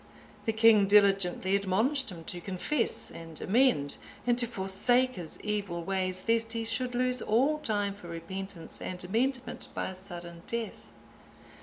The king diligently admonished him to confess and amend, and to forsake his evil ways, lest he should lose all time for repentance and amendment by a sudden death.